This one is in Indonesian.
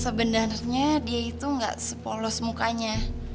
sebenarnya dia itu nggak sepolos mukanya